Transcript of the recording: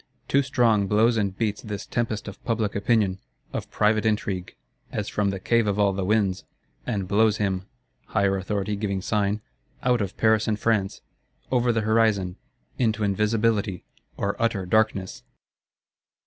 Too strong blows and beats this tempest of public opinion, of private intrigue, as from the Cave of all the Winds; and blows him (higher Authority giving sign) out of Paris and France,—over the horizon, into Invisibility, or outer Darkness.